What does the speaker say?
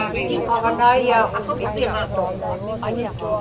aġnaiyaaq itiqtuq